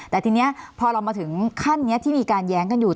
แต่ทีนี้พอเรามาถึงขั้นนี้ที่มีการแย้งกันอยู่